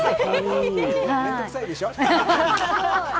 面倒くさいでしょ。